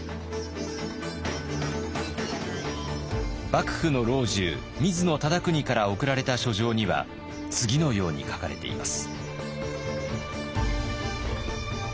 幕府の老中水野忠邦から贈られた書状には次のように書かれています。